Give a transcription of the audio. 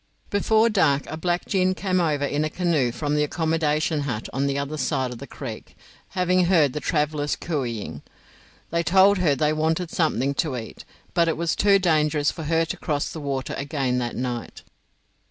Before dark a black gin came over in a canoe from the accommodation hut on the other side of the creek, having heard the travellers cooeying. They told her they wanted something to eat, but it was too dangerous for her to cross the water again that night.